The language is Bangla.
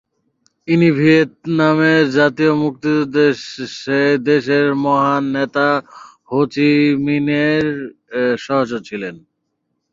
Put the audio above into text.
ইনি ভিয়েতনামের জাতীয় মুক্তিযুদ্ধে সে দেশের মহান নেতা হো চি মিনের সহচর ছিলেন।